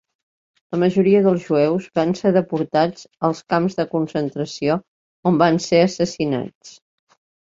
La majoria dels jueus van ser deportats als camps de concentració, on van ser assassinats.